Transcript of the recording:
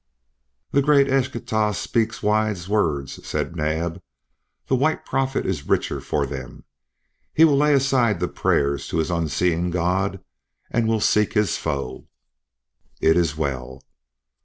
"The great Eschtah speaks wise words," said Naab. "The White Prophet is richer for them. He will lay aside the prayers to his unseeing God, and will seek his foe." "It is well."